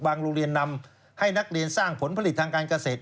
โรงเรียนนำให้นักเรียนสร้างผลผลิตทางการเกษตร